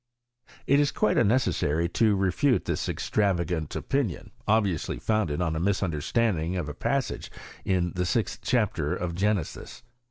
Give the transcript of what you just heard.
It is quite unnecessary to refute this extravagant opinion^ obviously founded on a misunderstanding of a passage in the sixth chapter of Genesis.